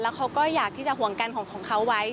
เขาก็อยากที่จะห่วงกันของเขาไว้